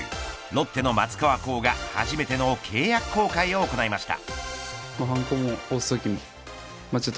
ロッテの松川虎生が初めての契約更改を行いました。